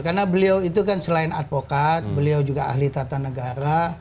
karena beliau itu kan selain advokat beliau juga ahli tata negara